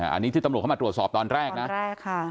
อันนี้ที่ตำรวจเข้ามาตรวจสอบตอนแรกนะแรกค่ะ